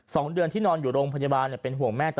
สองเดือนที่นอนอยู่โรงพยาบาลเป็นห่วงแม่ตลอด